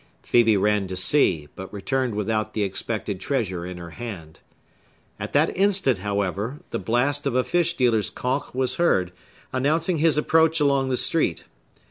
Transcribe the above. Phœbe ran to see, but returned without the expected treasure in her hand. At that instant, however, the blast of a fish dealer's conch was heard, announcing his approach along the street.